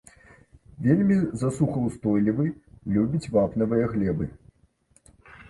Вельмі засухаўстойлівы, любіць вапнавыя глебы.